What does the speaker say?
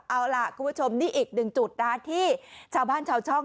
เอาล่ะคุณผู้ชมนี่อีกหนึ่งจุดนะที่ชาวบ้านชาวช่อง